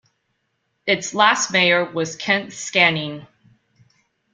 Its last mayor was Kent Skaanning.